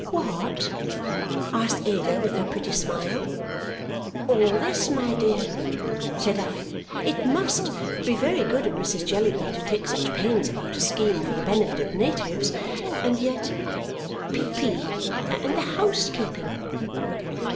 "What?" asked Ada with her pretty smile. "All this, my dear," said I. "It MUST be very good of Mrs. Jellyby to take such pains about a scheme for the benefit of natives and yet Peepy and the housekeeping!"